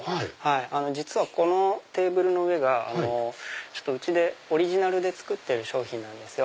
実はこのテーブルの上がうちでオリジナルで作ってる商品なんですよ。